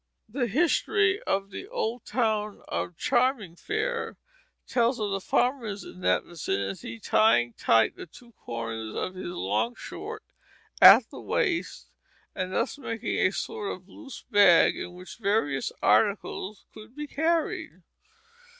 The history of the old town of Charmingfare tells of the farmers in that vicinity tying tight the two corners of this long short at the waist and thus making a sort of loose bag in which various articles could be carried.